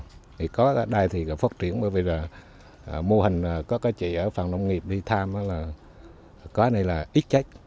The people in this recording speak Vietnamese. thì có ở đây thì phát triển bởi vì là mô hình có cái chị ở phòng nông nghiệp đi tham là có này là ít trách